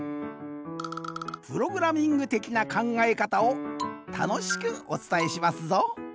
プログラミングてきなかんがえかたをたのしくおつたえしますぞ。